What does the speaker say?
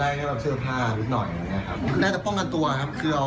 อยู่ดีก็ตีเลย